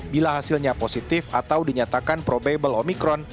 bila hasilnya positif atau dinyatakan probable omikron